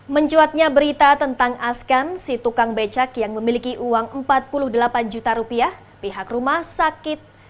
mencuatnya berita tentang askan si tukang becak yang memiliki uang empat puluh delapan juta rupiah pihak rumah sakit